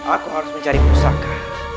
aku harus mencari pusaka